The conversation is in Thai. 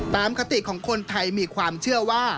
คติของคนไทยมีความเชื่อว่า